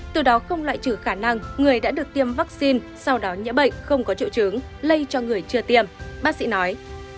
từ đó không loại trừ khả năng người đã được tiêm vaccine sau đó nhiễm bệnh không có triệu chứng lây cho người chưa tiêm bác sĩ nói